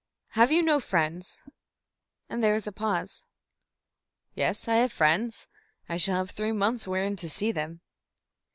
"Have you no friends?" And there was a pause. "Yes, I have friends. I shall have three months wherein to see them."